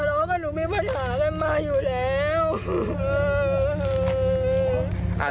เพราะว่าหนูมีปัญหากันมาอยู่แล้ว